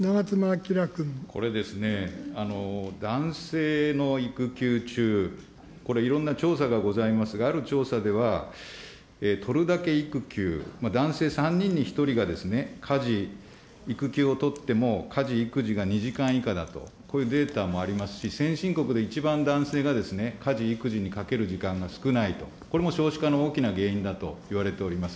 これですね、男性の育休中、これ、いろんな調査がございますが、ある調査では、取るだけ育休、男性３人に１人が家事、育休を取っても、家事、育児が２時間以下だと、こういうデータもありますし、先進国で一番男性が家事、育児にかける時間が少ないと、これも少子化の大きな原因だといわれております。